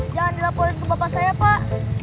jangan dilaporin ke bapak saya pak